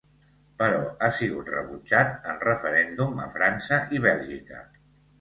Però ha sigut rebutjat en referèndum a França i Bèlgica.